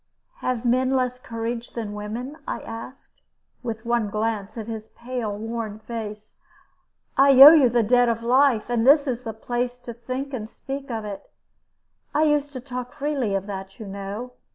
"Have men less courage than women?" I asked, with one glance at his pale worn face. "I owe you the debt of life; and this is the place to think and speak of it. I used to talk freely of that, you know.